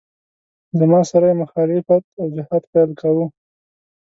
زما سره یې مخالفت او جهاد پیل کاوه.